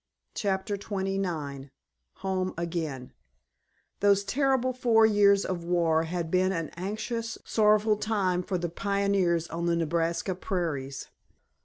*CHAPTER XXIX* *HOME AGAIN* Those terrible four years of war had been an anxious, sorrowful time for the pioneers on the Nebraska prairies.